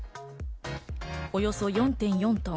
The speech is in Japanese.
およそ４．４トン。